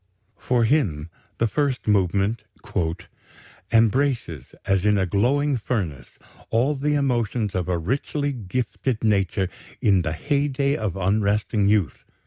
For him the first movement "embraces, as in a glowing furnace, all the emotions of a richly gifted nature in the heyday of unresting youth